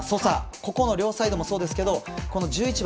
ここの両サイドもそうですけど１１番、